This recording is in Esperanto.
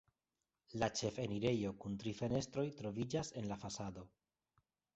La ĉefenirejo kun tri fenestroj troviĝas en la fasado.